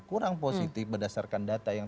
kurang positif berdasarkan data yang